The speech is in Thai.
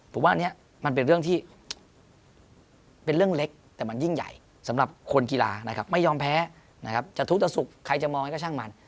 ผมว่าอันนี้เป็นเรื่องเล็กแต่มันยิ่งใหญ่สำหรับคนกีฬาไม่ยอมแพ้จะทุกตะสุกใครจะมองอันนี้ก็ช่างมัน